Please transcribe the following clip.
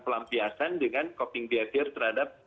pelampiasan dengan kopi biakir terhadap